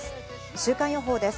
週間予報です。